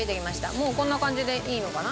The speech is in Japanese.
もうこんな感じでいいのかな？